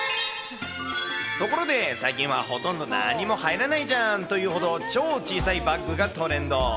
ところで、最近はほとんどなんにも入らないじゃんっていうほど、超小さいバッグがトレンド。